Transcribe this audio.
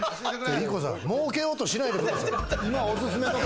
ＩＫＫＯさん、儲けようとしないでください。